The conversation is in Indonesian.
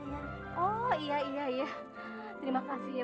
waalaikumsalam waalaikumsalam waalaikumsalam